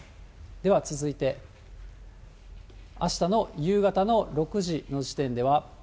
では、続いて、あしたの夕方の６時の時点では。